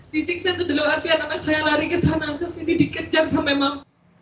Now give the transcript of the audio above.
disiksa itu tidak arti anak saya lari ke sana ke sini dikejar sampai mam